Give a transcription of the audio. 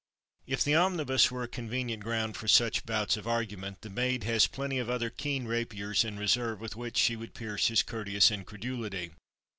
If the omnibus were a convenient ground for such bouts of argument, the maid has plenty of other keen rapiers in reserve with which she would pierce his courteous incredulity.